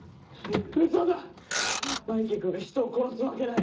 うそだ、マイキー君が人を殺すわけがない。